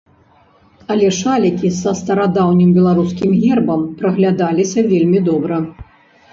Але шалікі са старадаўнім беларускім гербам праглядаліся вельмі добра.